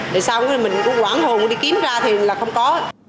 thì sau mình cũng quảng hồn đi kiếm ra thì là không có